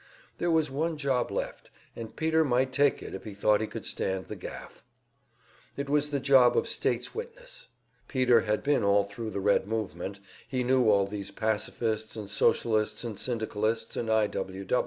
There was one job left, and Peter might take it if he thought he could stand the gaff. It was the job of state's witness. Peter had been all thru the Red movement, he knew all these pacifists and Socialists and Syndicalists and I.